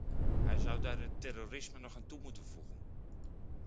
Hij zou daar het terrorisme nog aan moeten toevoegen.